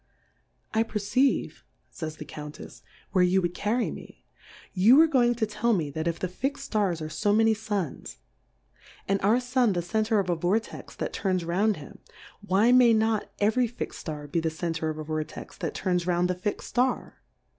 I p^vctivc^ fays the Countefs^ where you would carry me; you are going to tell me, that if the fixM Stars are fo many Suns, and our Sun the Center of a Vortex that turns round him, why, may not every fix'd Star he the Center of Plurality 0/ W O Fv L D S. 13^ of a Vortex that turns round the fixM Star?